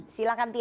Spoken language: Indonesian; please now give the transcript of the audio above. apa yang terjadi